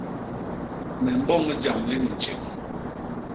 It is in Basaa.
Me mboñ jam li ni tjeñ.